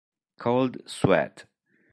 Cold Sweat